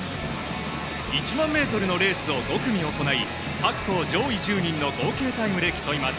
１００００ｍのレースを５組行い各校上位１０人の合計で競います。